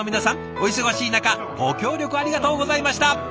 お忙しい中ご協力ありがとうございました！